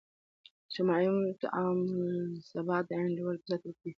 اجتماعي تعاملثبات د انډول په ساتلو کې کیږي.